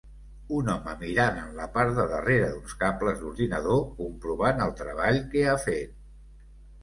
Un home mirant en la part de darrere d'uns cables d'ordinador comprovant el treball que ha fet.